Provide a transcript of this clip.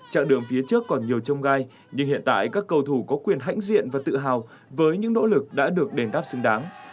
trạng đường phía trước còn nhiều trông gai nhưng hiện tại các cầu thủ có quyền hãnh diện và tự hào với những nỗ lực đã được đền đáp xứng đáng